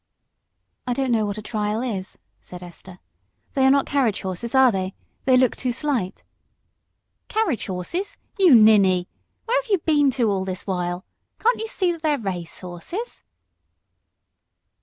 "I don't know what a trial is," said Esther. "They are not carriage horses, are they? They look too slight." "Carriage horses, you ninny! Where have you been to all this while can't you see that they are race horses?"